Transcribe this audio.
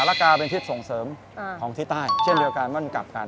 ละกาเป็นทริปส่งเสริมของที่ใต้เช่นเดียวกันมันกลับกัน